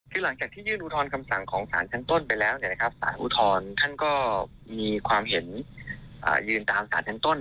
คือหลังจากที่ยื่นอุทธรณคำสั่งของสารชั้นต้นไปแล้วสารอุทธรณ์ท่านก็มีความเห็นยืนตามสารชั้นต้น